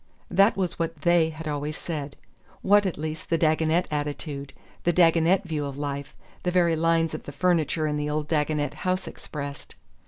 That was what "they" had always said; what, at least, the Dagonet attitude, the Dagonet view of life, the very lines of the furniture in the old Dagonet house expressed.